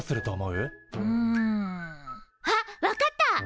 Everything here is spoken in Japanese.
うん。あっわかった！